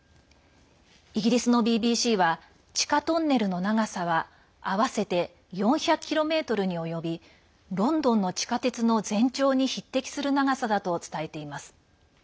イギリスのＢＢＣは地下トンネルの長さは合わせて４００ｋｍに及びロンドンの地下鉄の全長に匹敵する長さだと伝えています。